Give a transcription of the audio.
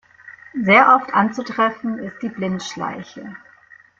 Sehr oft anzutreffen ist die Blindschleiche.